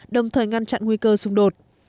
đồng thời ngăn chặn nguy cơ xung đột